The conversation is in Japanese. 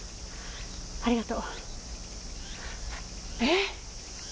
ありがとう。えっ？